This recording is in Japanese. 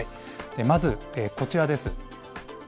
まずこちらです。